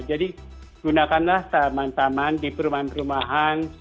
jadi gunakanlah taman taman di perumahan perumahan